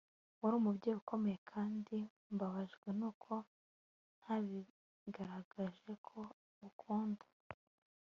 wari umubyeyi ukomeye, kandi mbabajwe nuko ntabigaragaje ko ngukunda